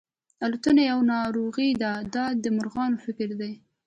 الوتنه یوه ناروغي ده دا د مرغانو فکر دی.